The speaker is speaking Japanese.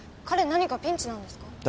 彼何かピンチなんですか？